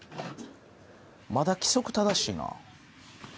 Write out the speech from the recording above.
まだ規則正しいな。